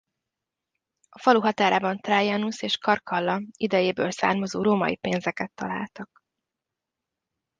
A falu határában Traianus és Caracalla idejéből származó római pénzeket találtak.